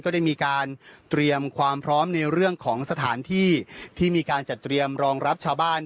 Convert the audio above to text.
ได้มีการเตรียมความพร้อมในเรื่องของสถานที่ที่มีการจัดเตรียมรองรับชาวบ้าน